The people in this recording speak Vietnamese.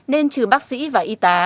nên trừ bác sĩ và y tá